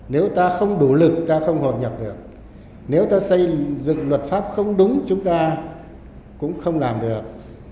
nếu ta không đủ lực ta không hội nhập được nếu ta xây dựng luật pháp không đúng chúng ta cũng không làm được